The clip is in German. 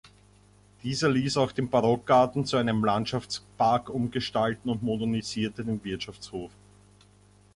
Dieser ließ auch den Barockgarten zu einem Landschaftspark umgestalten und modernisierte den Wirtschaftshof.